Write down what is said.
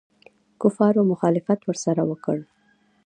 کفارو مخالفت ورسره وکړ.